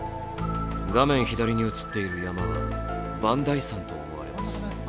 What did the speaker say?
画面左に映っている山は磐梯山と思われます。